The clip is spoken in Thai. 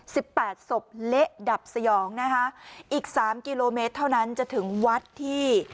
แปดศพเละดับสยองนะคะอีกสามกิโลเมตรเท่านั้นจะถึงวัดที่